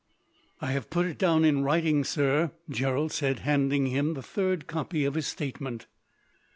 "I have put it down in writing, sir," Gerald said, handing him the third copy of his statement.